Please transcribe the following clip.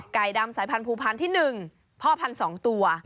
ไก่ดำสายพันธุ์ภูพารที่๑พ่อพันธุ์๒ตัว